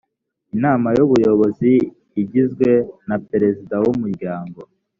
inama y ubuyobozi igizwe na perezida w umuryango